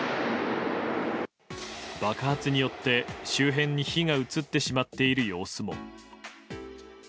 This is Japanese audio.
爆発によって周辺に火が移ってしまっている様子も。